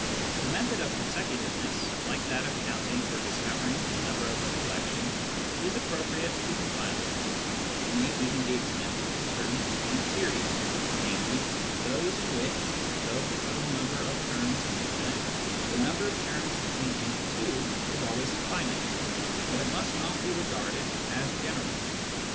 The method of consecutiveness, like that of counting for discovering the number of a collection, is appro priate to the finite ; it may even be extended to certain infinite series, namely, those in which, though the total number of terms is infinite, the number of terms between any two is always finite ; but it must not be regarded as general.